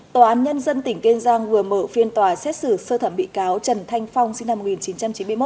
tòa án nhân dân tỉnh kiên giang vừa mở phiên tòa xét xử sơ thẩm bị cáo trần thanh phong sinh năm một nghìn chín trăm chín mươi một